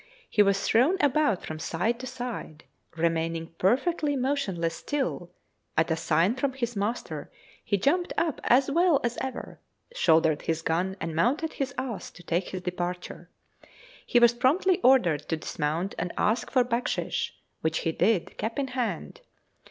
He was thrown about from side to side, remaining perfectly motionless till, at a sign from his master, he jumped up as well as ever, shouldered his gun, and mounted his ass to take his departure. He was promptly ordered to dismount and ask for backshish, which he did, cap in hand.